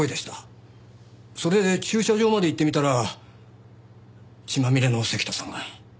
それで駐車場まで行ってみたら血まみれの関田さんが。